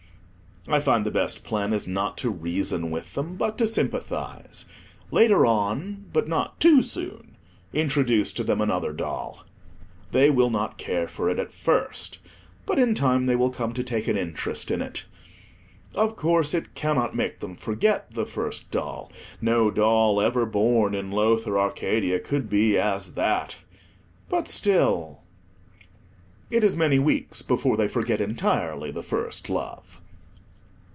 I find the best plan is not to reason with them, but to sympathize. Later on—but not too soon—introduce to them another doll. They will not care for it at first, but in time they will come to take an interest in it. Of course, it cannot make them forget the first doll; no doll ever born in Lowther Arcadia could be as that, but still— It is many weeks before they forget entirely the first love.